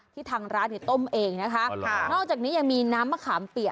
ทางร้านเนี่ยต้มเองนะคะนอกจากนี้ยังมีน้ำมะขามเปียก